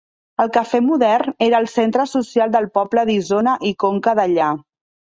El Cafè Modern era el centre social del poble d'Isona i Conca Dellà.